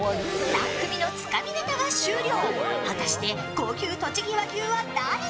３組のつかみネタが終了。